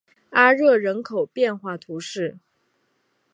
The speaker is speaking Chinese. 阿热人口变化图示